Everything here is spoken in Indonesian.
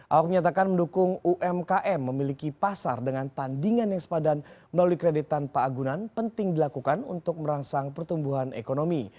ahok menyatakan mendukung umkm memiliki pasar dengan tandingan yang sepadan melalui kredit tanpa agunan penting dilakukan untuk merangsang pertumbuhan ekonomi